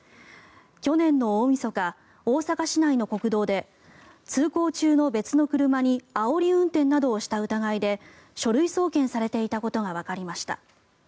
去年の大みそか大阪市内の国道で通行中の別の車にあおり運転などをした疑いで書類送検されていたことがわかりました。